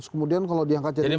kemudian kalau diangkat jadi